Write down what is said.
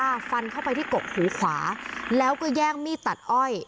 ฟันเข้าไปที่กกหูขวาแล้วก็แย่งมีดตัดอ้อย